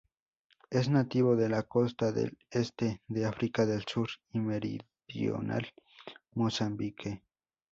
Es nativo de la costa del este de África del Sur y meridional Mozambique.